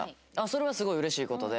それはすごいうれしい事で。